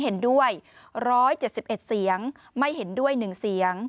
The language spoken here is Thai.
เห็นด้วยร้อยเจ็ดสิบเอ็ดเสียงไม่เห็นด้วยหนึ่งเสียง